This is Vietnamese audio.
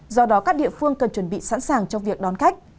do đó các địa phương cần chuẩn bị sẵn sàng cho việc đón khách